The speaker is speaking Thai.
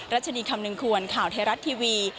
รัชนีคำนึงควรข่าวไทยรัฐทีวี